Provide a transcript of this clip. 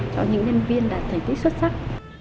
cho những nhân viên là thành tích xuất sắc